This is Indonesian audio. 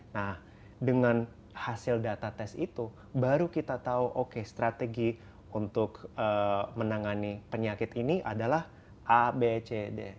nah dengan hasil data tes itu baru kita tahu oke strategi untuk menangani penyakit ini adalah abcd